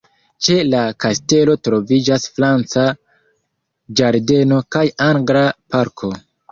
Ĉe la kastelo troviĝas franca ĝardeno kaj angla parko.